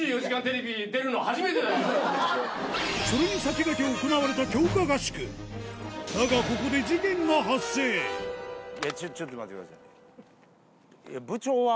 それに先駆け行われた強化合宿だがここでちょっと待ってください。